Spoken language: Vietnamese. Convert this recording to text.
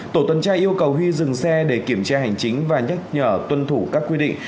tổ tuần tra yêu cầu huy dừng xe để kiểm tra hành chính và nhắc nhở tuân thủ các quy định